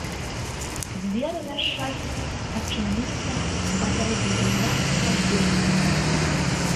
Дзверы, на шчасце, адчыніліся бадай без ніякага гуку.